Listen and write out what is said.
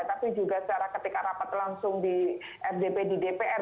tapi juga secara ketika rapat langsung di rdp di dpr